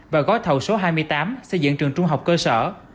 và gói thầu số hai mươi tám xây dựng trường trung học cơ sở